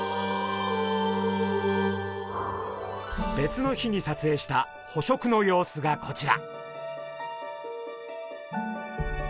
別の日にさつえいした捕食の様子がこちら。